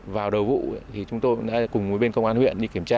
vào đầu vụ thì chúng tôi đã cùng với bên công an huyện đi kiểm tra